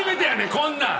こんなん。